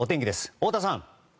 太田さん。